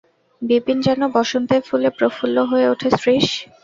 বিপিন যেন বসন্তের ফুলে প্রফুল্ল হয়ে ওঠে– শ্রীশ।